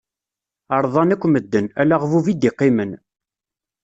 Ṛḍan akk medden, ala aɣbub i d-iqqimen.